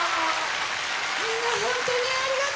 みんなほんとにありがとう！